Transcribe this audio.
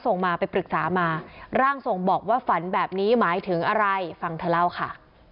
ส่งมาไปปรึกษามาร่างทรงบอกว่าฝันแบบนี้หมายถึงอะไรฟังเธอเล่าค่ะ